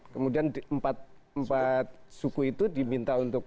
kemudian empat suku itu diminta untuk